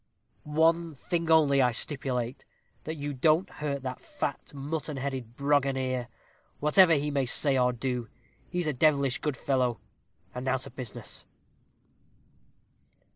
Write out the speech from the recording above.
One thing only I stipulate, that you don't hurt that fat, mutton headed Broganeer, whatever he may say or do; he's a devilish good fellow. And now to business."